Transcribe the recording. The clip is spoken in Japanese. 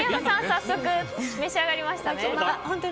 早速召し上がりましたね。